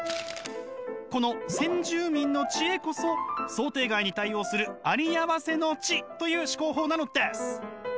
この先住民の知恵こそ想定外に対応するありあわせの知という思考法なのです！